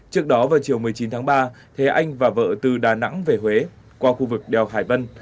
trước đó vào chiều một mươi chín tháng ba thế anh và vợ từ đà nẵng về huế qua khu vực đèo hải vân